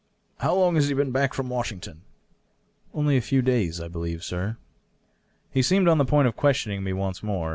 " How long has he been back from Washington ?" "Only a few days, I believe, sir." He seemed on the point of questioning me once more.